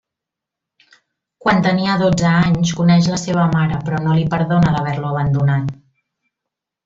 Quan tenia dotze anys coneix la seva mare però no li perdona d'haver-lo abandonat.